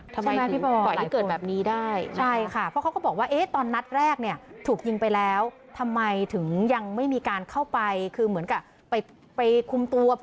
ทำไมถึงปล่อยที่เกิดแบบนี้ได้